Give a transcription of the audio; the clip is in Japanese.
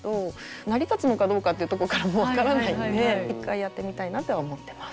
成り立つのかどうかってとこからも分からないんで一回やってみたいなとは思ってます。